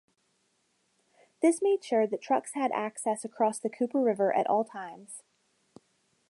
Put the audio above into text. This made sure that trucks had access across the Cooper River at all times.